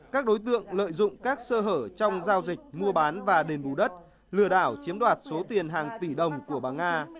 các đối tượng lợi dụng các sơ hở trong giao dịch mua bán và đền bù đất lừa đảo chiếm đoạt số tiền hàng tỷ đồng của bà nga